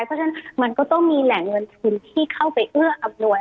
เพราะฉะนั้นมันก็ต้องมีแหล่งเงินทุนที่เข้าไปเอื้ออำนวย